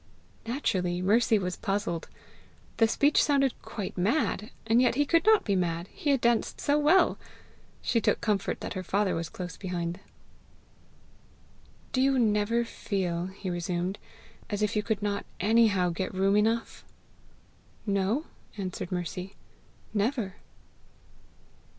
Naturally, Mercy was puzzled. The speech sounded quite mad, and yet he could not be mad, he had danced so well! She took comfort that her father was close behind. "Did you never feel," he resumed, "as if you could not anyhow get room enough?" "No," answered Mercy, "never."